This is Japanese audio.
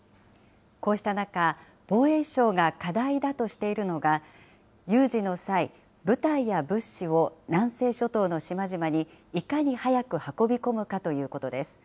こうした中、防衛省が課題だとしているのが、有事の際、部隊や物資を南西諸島の島々にいかに早く運び込むかということです。